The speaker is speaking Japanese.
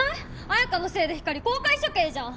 彩花のせいでひかり公開処刑じゃん！